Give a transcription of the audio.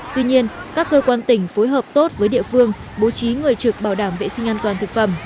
tuy nhiên các cơ quan tỉnh phối hợp tốt với địa phương bố trí người trực bảo đảm vệ sinh an toàn thực phẩm